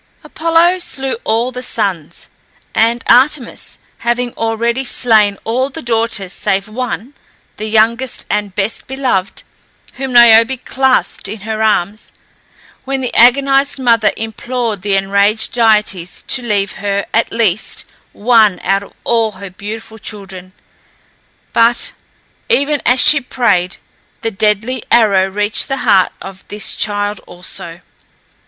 Apollo slew all the sons, and Artemis had already slain all the daughters save one, the youngest and best beloved, whom Niobe clasped in her arms, when the agonized mother implored the enraged deities to leave her, at least, one out of all her beautiful children; but, even as she prayed, the deadly arrow reached the heart of this child also.